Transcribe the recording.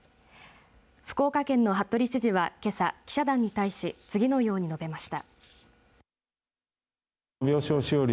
福岡県の服部知事はけさ、記者団に対し次のように述べました。